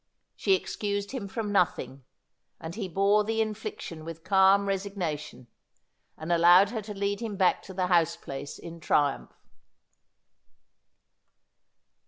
She ex cused him from nothing ; and he bore the infliction with calm resignation, and allowed her to lead him back to the house place in triumph.